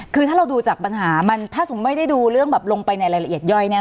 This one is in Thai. คือถ้าเราดูจากปัญหามันถ้าผมไม่ได้ดูเรื่องลงไปในรายละเอียดย้อย